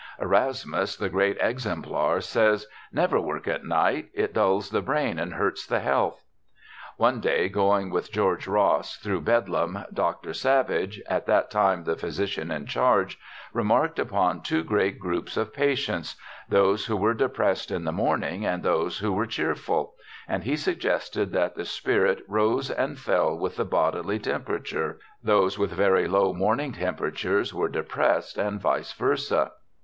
Erasmus, the great exemplar, says, "Never work at night; it dulls the brain and hurts the health." One day, going with George Ross through Bedlam, Dr. Savage, at that time the physician in charge, remarked upon two great groups of patients those who were depressed in the morning and those who were cheerful, and he suggested that the spirits rose and fell with the bodily temperature those with very low morning temperatures were depressed, and vice versa.